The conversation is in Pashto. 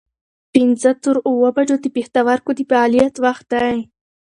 پنځه تر اووه بجو د پښتورګو د فعالیت وخت دی.